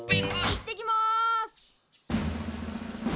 行ってきます！